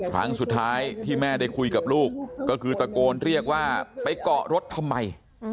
ครั้งสุดท้ายที่แม่ได้คุยกับลูกก็คือตะโกนเรียกว่าไปเกาะรถทำไม